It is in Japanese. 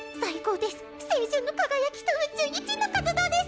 青春の輝きと宇宙一の活動デス！